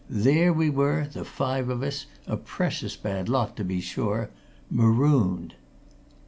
There we were, the five of us a precious bad lot, to be sure marooned!"